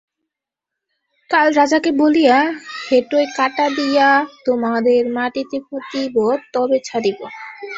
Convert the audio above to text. কাল রাজাকে বলিয়া হেঁটোয় কাঁটা দিয়া তোমাদের মাটিতে পুঁতিব তবে ছাড়িব।